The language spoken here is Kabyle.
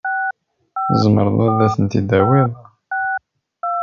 Tzemreḍ ad tent-id-tawiḍ?